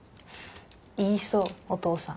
言いそうお父さん。